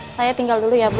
saya tinggal dulu ya bu